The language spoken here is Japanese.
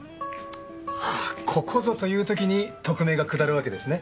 ああここぞというときに特命が下るわけですね。